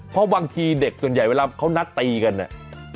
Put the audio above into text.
เพราะบางทีเด็กส่วนใหญ่เวลาเขานัดตีกันเนี่ย